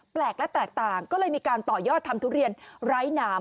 แปลกและแตกต่างก็เลยมีการต่อยอดทำทุเรียนไร้หนาม